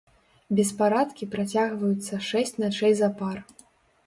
Беспарадкі працягваюцца шэсць начэй запар.